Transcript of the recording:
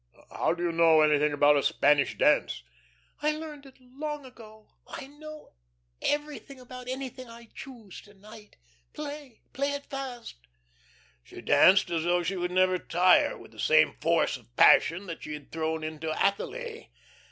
How do you know anything about a Spanish dance?" "I learned it long ago. I know everything about anything I choose, to night. Play, play it fast." She danced as though she would never tire, with the same force of passion that she had thrown into Athalie.